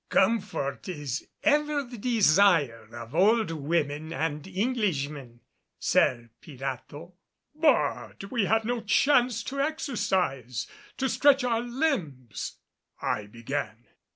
"Comfort is ever the desire of old women and Englishmen, Sir Pirato!" "But we have no chance to exercise to stretch our limbs " I began.